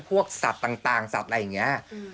สัตว์ต่างสัตว์อะไรอย่างนี้